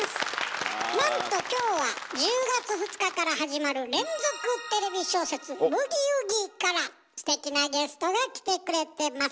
なんと今日は１０月２日から始まる連続テレビ小説「ブギウギ」からステキなゲストが来てくれてます。